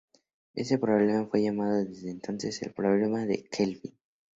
Este problema fue llamado desde entonces el problema de Kelvin.